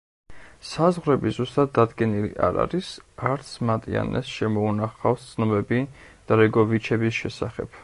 საზღვრები ზუსტად დადგენილი არ არის, არც მატიანეს შემოუნახავს ცნობები დრეგოვიჩების შესახებ.